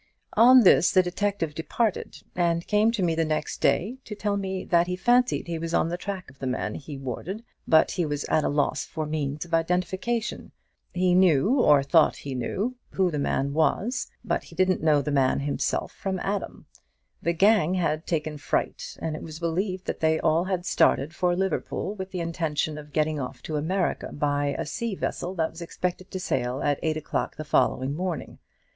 On this the detective departed, and came to me the next day, to tell me that he fancied he was on the track of the man he wanted, but he was at a loss for means of identification. He knew, or thought that he knew, who the man was; but he didn't know the man himself from Adam. The gang had taken fright, and it was believed that they had all started for Liverpool, with the intention of getting off to America by a vessel that was expected to sail at eight o'clock the following morning.